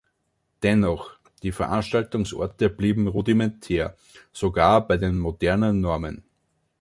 Dennoch, die Veranstaltungsorte blieben rudimentär sogar bei den modernen Normen.